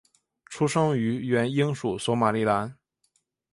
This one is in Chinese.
出生于原英属索马利兰。